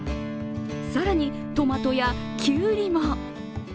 更に、トマトやきゅうりも。